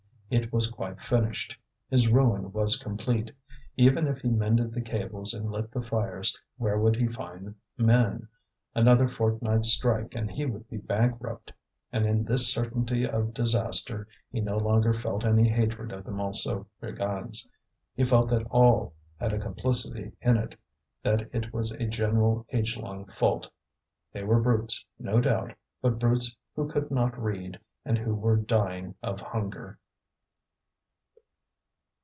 it was quite finished; his ruin was complete. Even if he mended the cables and lit the fires, where would he find men? Another fortnight's strike and he would be bankrupt. And in this certainty of disaster he no longer felt any hatred of the Montsou brigands; he felt that all had a complicity in it, that it was a general agelong fault. They were brutes, no doubt, but brutes who could not read, and who were dying of hunger.